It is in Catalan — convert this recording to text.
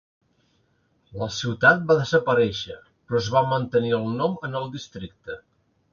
La ciutat va desaparèixer però es va mantenir el nom en el districte.